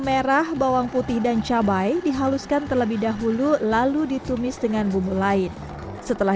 merah bawang putih dan cabai dihaluskan terlebih dahulu lalu ditumis dengan bumbu lain setelah